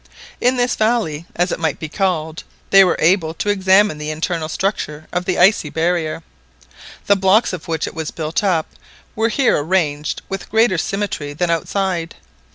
In this valley, as it might be called, they were able to examine the internal structure of the icy barrier. The blocks of which it was built up were here arranged with greater symmetry than outside.